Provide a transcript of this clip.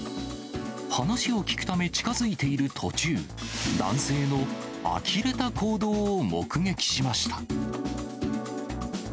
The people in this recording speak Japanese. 話を聞くため、近づいている途中、男性のあきれた行動を目撃しました。